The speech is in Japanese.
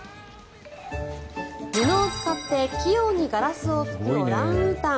布を使って器用にガラスを拭くオランウータン。